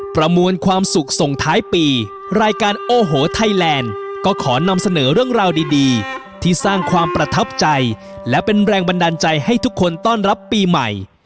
ประมวลความสุขส่งท้ายปีรายการโอ้โหไทยแลนด์ก็ขอนำเสนอเรื่องราวดีที่สร้างความประทับใจและเป็นแรงบันดาลใจให้ทุกคนต้อนรับปีใหม่